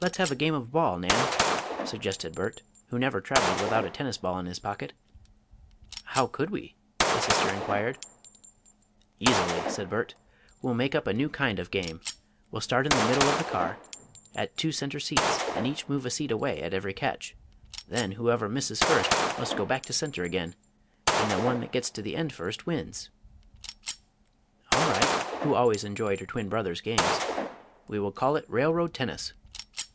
"Let's have a game of ball, Nan?" suggested Bert, who never traveled without a tennis ball in his pocket. "How could we?" the sister inquired. "Easily," said Bert. "We'll make up a new kind of game. We will start in the middle of the car, at the two center seats, and each move a seat away at every catch. Then, whoever misses first must go back to center again, and the one that gets to the end first, wins." "All right," agreed Nan, who always enjoyed her twin brother's games. "We will call it Railroad Tennis."